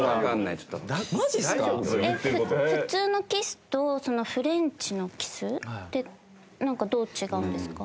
普通のキスとフレンチのキスってどう違うんですか？